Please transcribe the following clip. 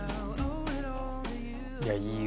いやいい。